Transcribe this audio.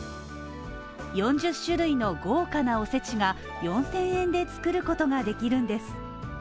４０種類の豪華なおせちが４０００円で作ることができるんです。